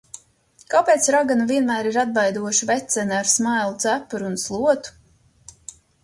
Kāpēc ragana vienmēr ir atbaidoša vecene ar smailu cepuri un slotu?